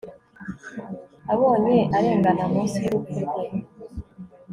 abonye arengana, munsi y'urupfu rwe